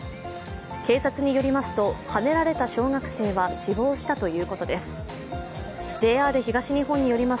警察によりますと、はねられた小学生は死亡したということです。